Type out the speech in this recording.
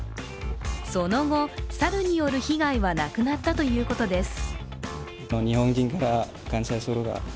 その後、猿による被害はなくなったということです。